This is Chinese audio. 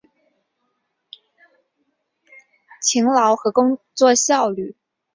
勤劳和工作效率